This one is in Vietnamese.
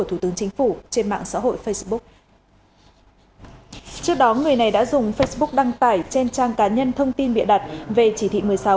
trước đó người này đã dùng facebook đăng tải trên trang cá nhân thông tin bịa đặt về chỉ thị một mươi sáu